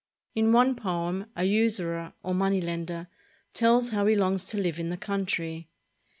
In one poem, a usurer, or money lender, tells how he longs to live in the country.